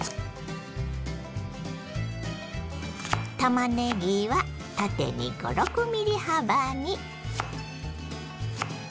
たまねぎは縦に５６ｍｍ幅に。